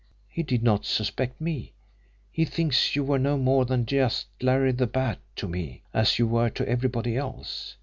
He did not suspect me. He thinks you were no more than just Larry the Bat to me, as you were to everybody else.